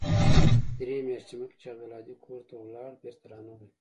درې مياشتې مخکې چې عبدالهادي کور ته ولاړ بېرته رانغى.